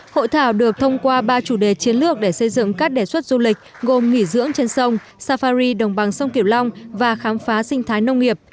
hội thảo được thông qua ba chủ đề chiến lược để xây dựng các đề xuất du lịch gồm nghỉ dưỡng trên sông safari đồng bằng sông kiểu long và khám phá sinh thái nông nghiệp